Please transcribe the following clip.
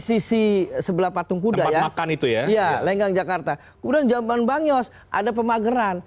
sisi sebelah patung kuda ya kan itu ya lenggang jakarta kemudian zaman bang yos ada pemageran